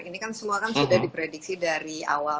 ini kan semua kan sudah diprediksi dari awal